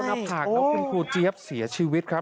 หากคุณครูเจี๊ยบเสียชีวิตครับ